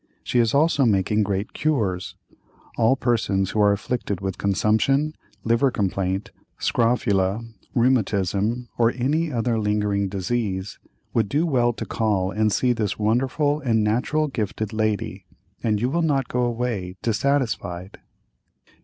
She is also making great cures. All persons who are afflicted with consumption, liver complaint, scrofula, rheumatism, or any other lingering disease, would do well to call and see this wonderful and natural gifted lady, and you will not go away dissatisfied.